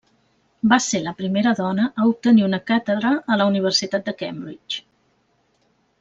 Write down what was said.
Va ser la primera dona a obtenir una càtedra a la Universitat de Cambridge.